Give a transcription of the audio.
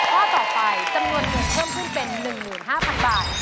ข้อต่อไปจำนวนเงินเพิ่มขึ้นเป็น๑๕๐๐๐บาท